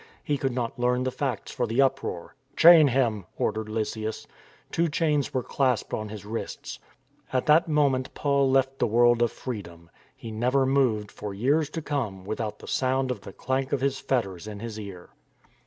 He could not learn the facts for the uproar. " Chain him," ordered Lysias. Two chains were clasped on his wrists. At that moment Paul left the « AWAY WITH HIM " 293 world of freedom. He never moved for years to come without the sound of the clank of his fetters in his ear.